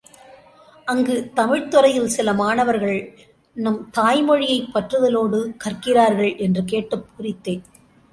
அங்குத் தமிழ் துறையில் சில மாணவர்கள், நம் தாய் மொழியைப் பற்றுதலோடு கற்கிகிறார்கள் என்று கேட்டுப் பூரித்தேன்.